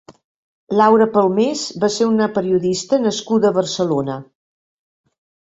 Laura Palmés va ser una periodista nascuda a Barcelona.